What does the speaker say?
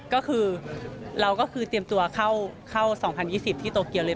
ก็คือเราก็คือเตรียมตัวเข้า๒๐๒๐ที่โตเกียวเลย